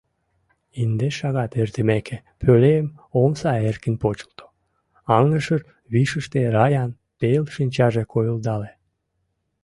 Индеш шагат эртымеке, пӧлем омса эркын почылто, аҥышыр вишыште Раян пел шинчаже койылдале.